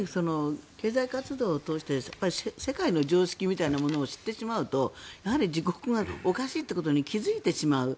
経済活動を通して世界の常識みたいなものを知ってしまうとやはり自国がおかしいということに気付いてしまう。